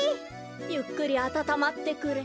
ゆっくりあたたまってくれ。